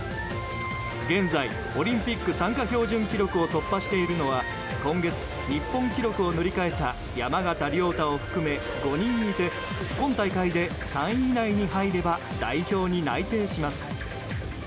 現在オリンピック参加標準記録を突破しているのは今月、日本記録を塗り替えた山縣亮太を含め、５人いて今大会で３位以内に入れば代表に内定します。